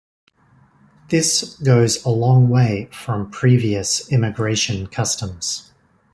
This is goes a long way from previous immigration customs.